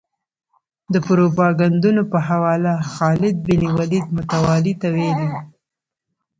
د پروپاګندونو په حواله خالد بن ولید متولي ته ویلي.